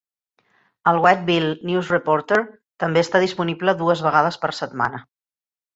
El "Whiteville News Reporter" també està disponible dues vegades per setmana.